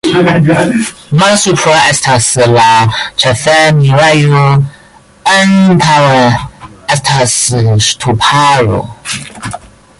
Malsupre estas la ĉefenirejo, antaŭe estas ŝtuparo.